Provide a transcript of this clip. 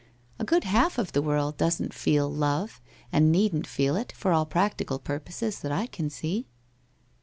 A good half of the world doesn't feel Love and needn't feel it, for all practical purposes, that I can see